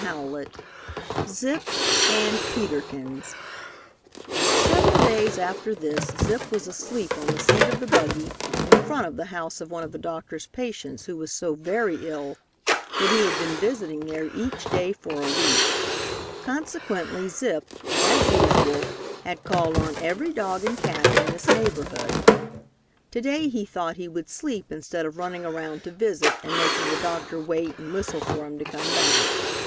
CHAPTER VI ZIP AND PETER KINS Several days after this Zip was asleep on the seat of the buggy in front of the house of one of the doctor's patients who was so very ill that he had been visiting there each day for a week. Consequently Zip, as usual, had called on every dog and cat in this neighborhood. To day he thought he would sleep instead of running around to visit and making the doctor wait and whistle for him to come back.